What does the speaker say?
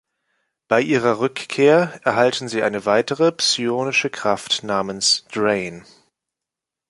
Bei ihrer Rückkehr erhalten sie eine weitere psyonische Kraft namens Drain.